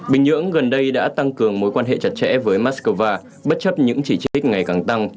bình nhưỡng gần đây đã tăng cường mối quan hệ chặt chẽ với moscow bất chấp những chỉ trích ngày càng tăng